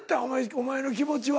お前の気持ちは。